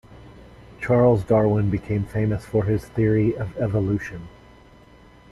Charles Darwin became famous for his theory of evolution.